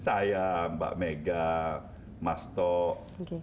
saya mbak mega mas tok